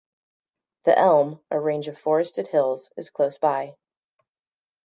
The Elm, a range of forested hills, is close by.